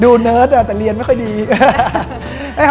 เนิร์ดแต่เรียนไม่ค่อยดี